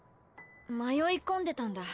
迷い込んでたんだ。